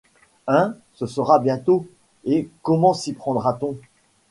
Hein? sera-ce bientôt, et comment s’y prendra-t-on ?